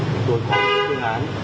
chúng tôi có một phương án